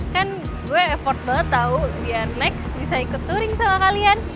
kan gue effort banget tau dia next bisa ikut touring sama kalian